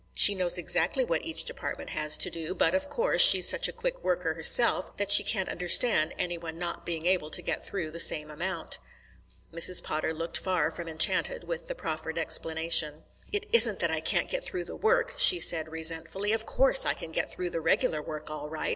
"She knows exactly what each department has to do, but, of course, she's such a quick worker herself that she can't understand any one not being able to get through the same amount." Mrs. Potter looked far from enchanted with the proffered explanation. "It isn't that I can't get through the work," she said resentfully. "Of course I can get through the regular work all right.